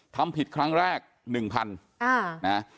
ทำผิดครั้งแรก๑๐๐นะ